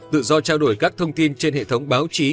tự do trao đổi các thông tin trên hệ thống báo chí